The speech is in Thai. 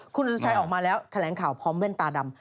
คุณสุชัยออกมาแล้วแถลงข่าวพร้อมแว่นตาดำ